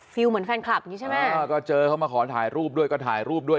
ฟิล์มเหมือนแฟนคลับอย่างนี้ใช่ไหมก็เจอเขามาขอถ่ายรูปด้วย